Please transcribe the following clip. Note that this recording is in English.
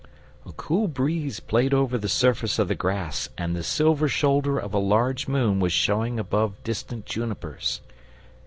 A cool breeze played over the surface of the grass and the silver shoulder of a large moon was showing above distant junipers.